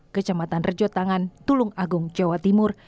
kecamatan rejotangan tulung agung jawa timur